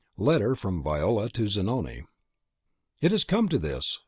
Letter from Viola to Zanoni. "It has come to this!